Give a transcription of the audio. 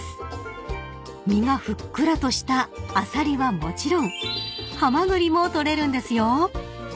［身がふっくらとしたアサリはもちろんハマグリも採れるんですよ］